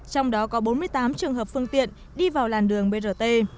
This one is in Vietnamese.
trong đó có bốn mươi tám trường hợp phương tiện đi vào làn đường brt